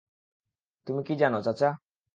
তুমি কি জানো, চাচা?